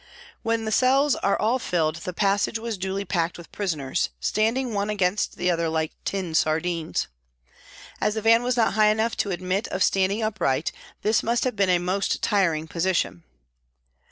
When the cells were all filled the passage was duly packed with prisoners, standing one against the other like tinned sardines. As the van was not high enough to admit of standing upright, this must have been a most tiring position.